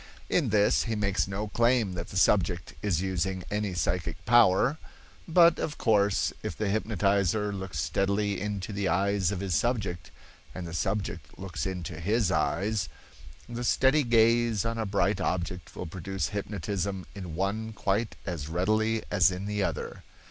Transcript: In this he makes no claim that the subject is using any psychic power; but, of course, if the hypnotizer looks steadily into the eyes of his subject, and the subject looks into his eyes, the steady gaze on a bright object will produce hypnotism in one quite as readily as in the other.